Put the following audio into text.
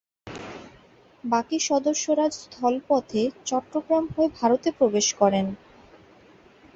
বাকি সদস্যরা স্থলপথে চট্টগ্রাম হয়ে ভারতে প্রবেশ করেন।